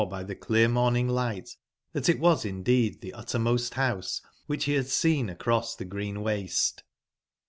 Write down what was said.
122 I clcarmoming light that it was iTii i deed tbc Uttermost House which he had seen across the green waste.